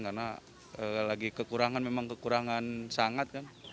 karena lagi kekurangan memang kekurangan sangat